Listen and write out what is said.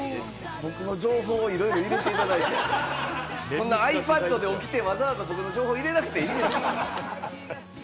僕の情報をいろいろ入れていただいて、ｉＰａｄで起きて、わざわざ僕の情報を入れなくていいですよ。